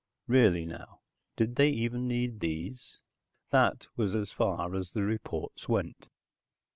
(Really now? Did they even need these?) That was as far as the reports went.